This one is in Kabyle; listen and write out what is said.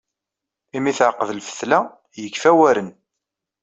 Imi teɛqed lfetla yekfa waren.